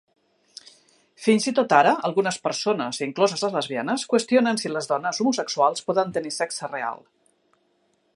Fins i tot ara, algunes persones, incloses les lesbianes, qüestionen si les dones homosexuals poden tenir sexe real.